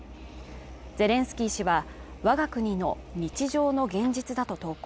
ゼレンスキー氏はわが国の日常の現実だと投稿